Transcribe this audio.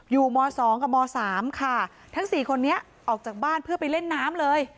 อยู่มสองกับมสามค่ะทั้งสี่คนนี้ออกจากบ้านเพื่อไปเล่นน้ำเลย